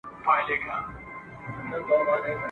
ښکاري زرکي ته اجل کړی کمین وو ..